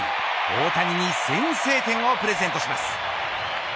大谷に先制点をプレゼントします。